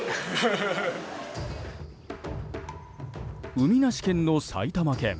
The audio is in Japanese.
海なし県の埼玉県。